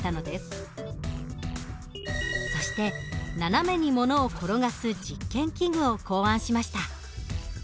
そして斜めに物を転がす実験器具を考案しました。